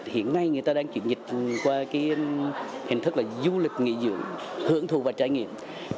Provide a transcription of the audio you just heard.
hiện nay người ta đang chuyển dịch qua hình thức là du lịch nghỉ dưỡng hưởng thụ và trải nghiệm